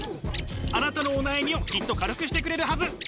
あなたのお悩みをきっと軽くしてくれるはず。